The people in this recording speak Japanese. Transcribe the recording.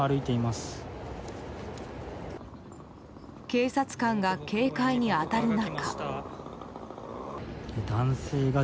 警察官が警戒に当たる中。